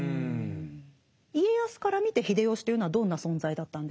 家康から見て秀吉というのはどんな存在だったんでしょうか？